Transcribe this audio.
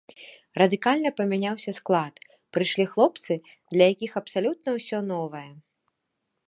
Радыкальна памяняўся склад, прыйшлі хлопцы, для якіх абсалютна ўсё новае.